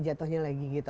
jatuhnya lagi gitu